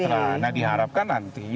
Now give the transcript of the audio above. lagi nah diharapkan nanti